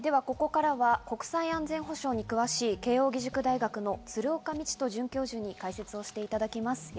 ここからは国際安全保障に詳しい慶應義塾大学の鶴岡路人准教授に解説をしていただきます。